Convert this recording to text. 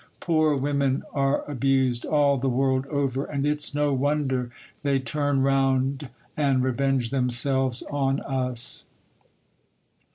Poor women are abused all the world over; and it's no wonder they turn round and revenge themselves on us.